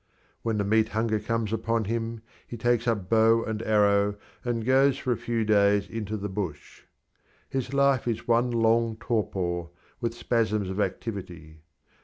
When the meat hunger comes upon him he takes up bow and arrow and goes for a few days into the bush. His life is one long torpor, with spasms of activity.